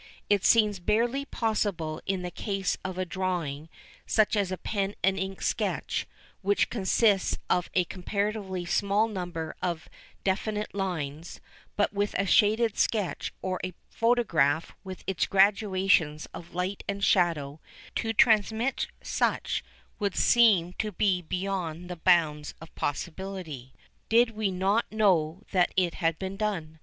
It seems barely possible in the case of a drawing such as a pen and ink sketch, which consists of a comparatively small number of definite lines; but with a shaded sketch or a photograph, with its gradations of light and shadow to transmit such would seem to be beyond the bounds of possibility, did we not know that it has been done.